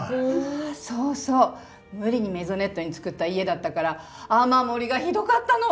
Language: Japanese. そうそう無理にメゾネットに作った家だったから雨漏りがひどかったの。